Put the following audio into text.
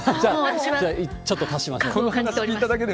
じゃあ、ちょっと足しましょう。